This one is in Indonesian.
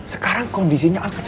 sekarang kondisinya al kena tau